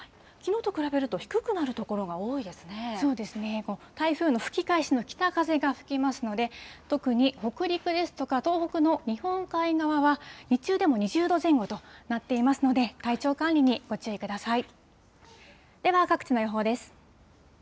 きのうと比べると台風の吹き返しの北風が吹きますので特に北陸ですとか東北の日本海側は日中でも２０度前後となっていますので体調管理にご注意ください。